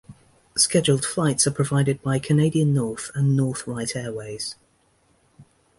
Scheduled flights are provided by Canadian North and North-Wright Airways.